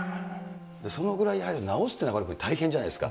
そのぐらいやはり、直すって中丸君、大変じゃないですか。